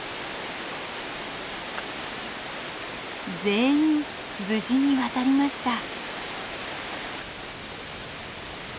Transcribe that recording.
全員無事に渡りました。